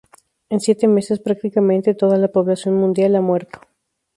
En siete meses, prácticamente toda la población mundial ha muerto.